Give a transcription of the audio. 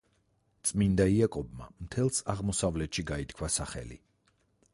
წმინდა იაკობმა მთელს აღმოსავლეთში გაითქვა სახელი.